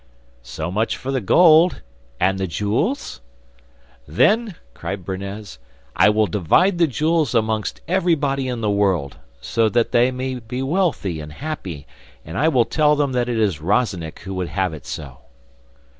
'So much for the gold; and the jewels?' 'Then,' cried Bernez, 'I will divide the jewels amongst everybody in the world, so that they may be wealthy and happy; and I will tell them that it is Rozennik who would have it so.